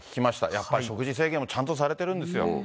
やっぱり食事制限もちゃんとされてるんですよ。